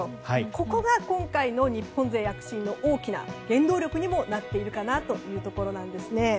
ここが今回の日本勢躍進の大きな原動力にもなっているかなというところなんですね。